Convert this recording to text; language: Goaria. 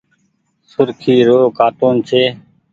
سرکي رو ڪآٽون ڇي۔